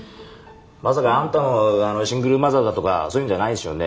まさかあんたもシングルマザーだとかそういうんじゃないでしょうね？